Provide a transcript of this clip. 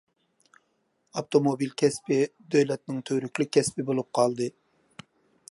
ئاپتوموبىل كەسپى دۆلەتنىڭ تۈۋرۈكلۈك كەسپى بولۇپ قالدى.